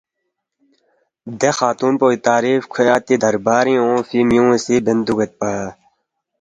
دے خاتُون پو بی تعریف کھوے اتی دربارِنگ اونگفی میُون٘ی سی بین دُوگیدپا